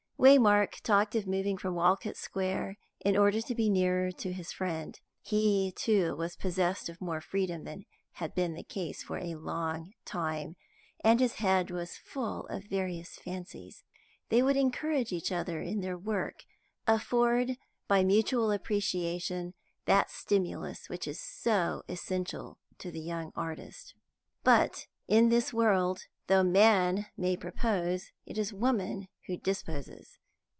Waymark talked of moving from Walcot Square, in order to be nearer to his friend. He, too, was possessed of more freedom than had been the case for a long time, and his head was full of various fancies. They would encourage each other in their work, afford by mutual appreciation that stimulus which is so essential to the young artist. But in this world, though man may propose, it is woman who disposes.